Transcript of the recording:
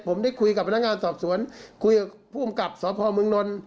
ผมได้คุยกับพนักงานสอบสวนคุยกับผู้กำกับสพเมืองนนท์